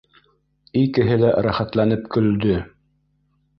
Икеһе лә рәхәтләнеп көлдө